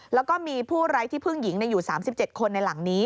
แล้วก็มีผู้ไร้ที่พึ่งหญิงอยู่๓๗คนในหลังนี้